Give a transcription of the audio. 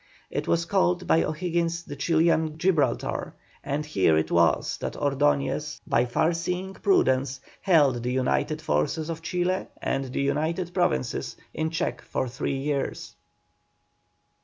It was called by O'Higgins the Chilian Gibraltar, and here it was that Ordoñez by far seeing prudence, held the united forces of Chile and the United Provinces in check for three years.